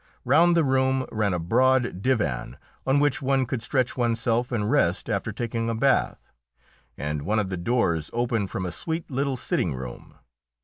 Round the room ran a broad divan on which one could stretch oneself and rest after taking a bath, and one of the doors opened from a sweet little sitting room.